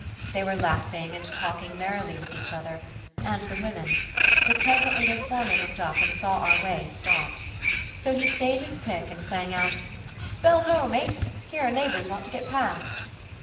They were laughing and talking merrily with each other and the women, but presently their foreman looked up and saw our way stopped. So he stayed his pick and sang out, "Spell ho, mates! here are neighbours want to get past."